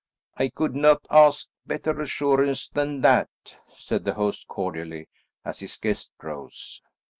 "I could not ask better assurance than that," said the host cordially as his guest rose.